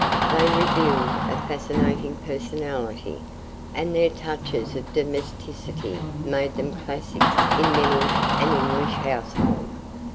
They revealed a fascinating personality, and their touches of domesticity made them classics in many an English household.